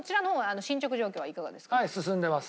はい進んでます。